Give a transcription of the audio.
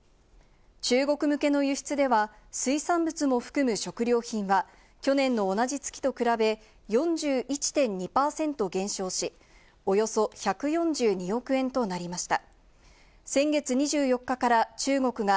中国向けの輸出では、水産物も含む食料品は去年の同じ月と比べ、４１．２％減少し、およそ１４２億円となりました。